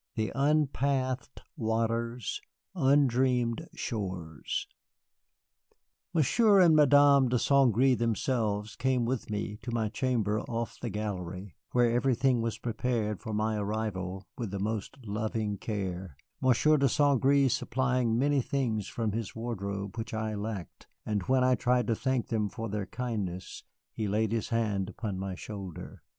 "TO UNPATHED WATERS, UNDREAMED SHORES" Monsieur and Madame de St. Gré themselves came with me to my chamber off the gallery, where everything was prepared for my arrival with the most loving care, Monsieur de St. Gré supplying many things from his wardrobe which I lacked. And when I tried to thank them for their kindness he laid his hand upon my shoulder.